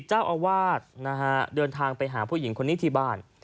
เจ้าอาวาสนะฮะเดินทางไปหาผู้หญิงคนนี้ที่บ้าน